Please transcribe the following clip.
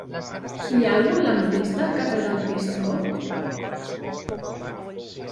Hi ha algun lampista al carrer del Pistó?